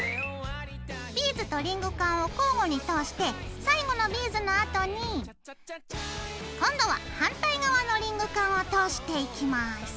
ビーズとリングカンを交互に通して最後のビーズのあとに今度は反対側のリングカンを通していきます。